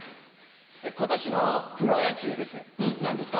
ことしのプロ野球です。